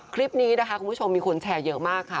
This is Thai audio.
คลิปนี้นะคะคุณผู้ชมมีคนแชร์เยอะมากค่ะ